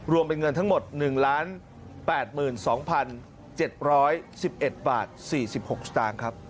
รวมเป็นเงินทั้งหมด๑๘๒๗๑๑บาท๔๖สตางค์ครับ